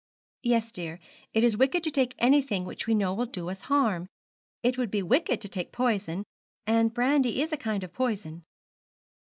'Yes, dear, it is wicked to take anything which we know will do us harm. It would be wicked to take poison; and brandy is a kind of poison.'